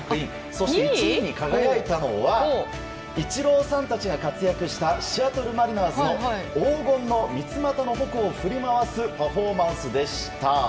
そして、１位に輝いたのはイチローさんたちが活躍したシアトルマリナーズの黄金の三叉の矛を振り回すパフォーマンスでした。